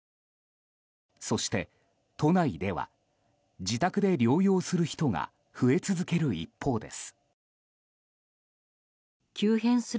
そして、都内では自宅で療養する人が増え続ける一方です。